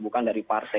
bukan dari partai